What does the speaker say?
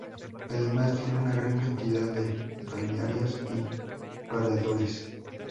Además, tiene una gran cantidad de balnearios y paradores.